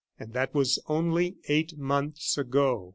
And that was only eight months ago.